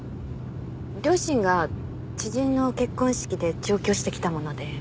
両親が知人の結婚式で上京してきたもので迎えに。